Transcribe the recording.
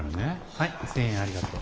はい１，０００円ありがとう。